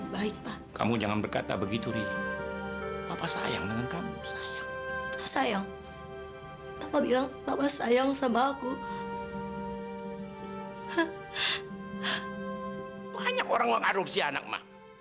banyak orang yang mengadopsi anak ma